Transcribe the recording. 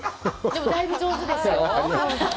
だいぶ上手ですよ。